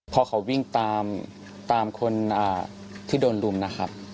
พอเขาวิ่งตามคนที่โดนรุมนะครับ